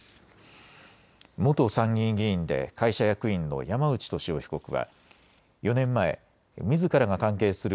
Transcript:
元参議院議員で会社役員の山内俊夫被告は４年前、みずからが関係する